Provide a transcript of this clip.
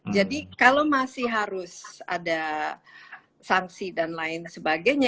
jadi kalau masih harus ada sanksi dan lain sebagainya